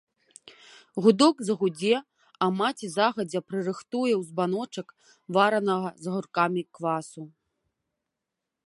Гудок загудзе, а маці загадзя прырыхтуе ў збаночак варанага з агуркамі квасу.